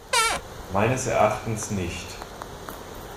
Meines Erachtens nicht.